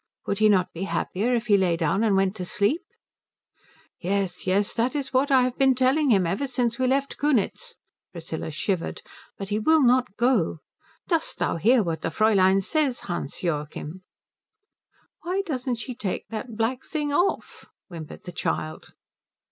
Would he not be happier if he lay down and went to sleep?" "Yes, yes; that is what I have been telling him ever since we left Kunitz" Priscilla shivered "but he will not go. Dost thou hear what the Fräulein says, Hans Joachim?" "Why don't she take that black thing off?" whimpered the child.